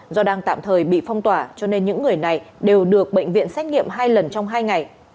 do đang tạm thời bị phong tỏa cho nên những người này đều được bệnh viện xét nghiệm hai lần trong hai ngày